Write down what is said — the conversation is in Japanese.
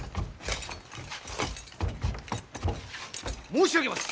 申し上げます！